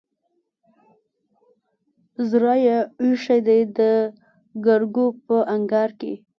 زړه يې ايښی دی دګرګو په انګار کې